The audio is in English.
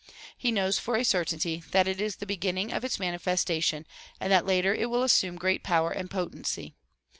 He knows for a certainty that it is the beginning of its manifestation and that later it will assume great power and potency.